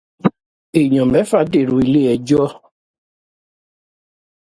Èèyàn mẹ́ta dèrò iléẹjọ́.